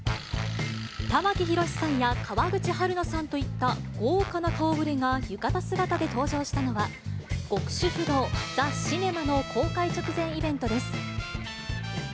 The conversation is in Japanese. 玉木宏さんや、川口春奈さんといった、豪華な顔ぶれが浴衣姿で登場したのは、極主夫道ザ・シネマの公開直前イベントです。